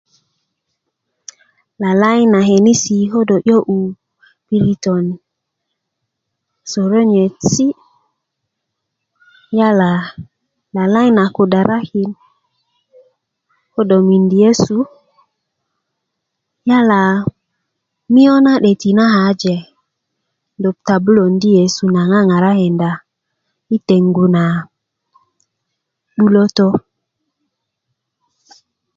lalayi na konisi ko dó 'yö'yu piritön soronyesi' yala lalayi na kudaraki ko do mindi yesu yala miyö na 'döti' na kaaje 'dok ta 'bulöndi' yesu na ŋakarakinda i teŋgu na 'bulötö